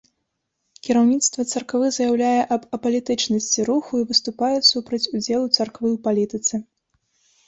Кіраўніцтва царквы заяўляе аб апалітычнасці руху і выступае супраць удзелу царквы ў палітыцы.